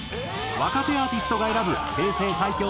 若手アーティストが選ぶ最強